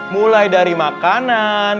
mulai dari makanan